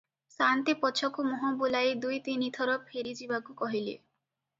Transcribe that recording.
ସାଆନ୍ତେ ପଛକୁ ମୁହଁ ବୁଲାଇ ଦୁଇ ତିନି ଥର ଫେରିଯିବାକୁ କହିଲେ ।